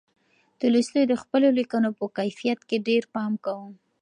تولستوی د خپلو لیکنو په کیفیت کې ډېر پام کاوه.